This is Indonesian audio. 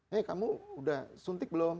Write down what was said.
hei kamu sudah suntik belum